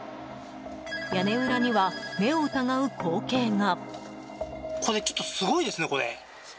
屋根裏には目を疑う光景が。